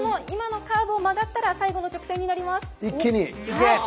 今のカーブを曲がったら最後の直線になります。